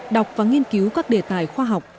đọc và nghiên cứu các đề tài khoa học